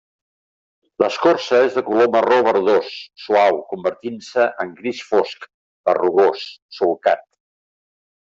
L'escorça és de color marró verdós, suau, convertint-se en gris fosc, berrugós, solcat.